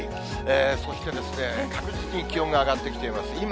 そして確実に気温が上がってきています。